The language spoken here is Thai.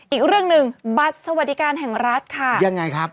อีกเรื่องหนึ่งบัตรสวัสดิการแห่งรัฐค่ะยังไงครับ